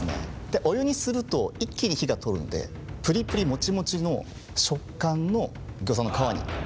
お湯にすると一気に火が通るのでプリプリもちもちの食感のギョーザの皮に変わるんです。